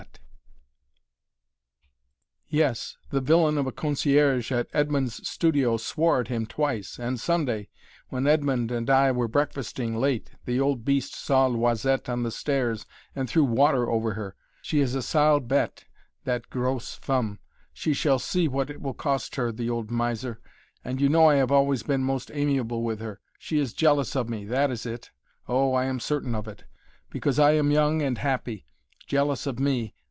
[Illustration: AT THE HEAD OF THE LUXEMBOURG GARDENS] "Yes, the villain of a concierge at Edmond's studio swore at him twice, and Sunday, when Edmond and I were breakfasting late, the old beast saw 'Loisette' on the stairs and threw water over her; she is a sale bête, that grosse femme! She shall see what it will cost her, the old miser; and you know I have always been most amiable with her. She is jealous of me that is it oh! I am certain of it. Because I am young and happy. Jealous of me!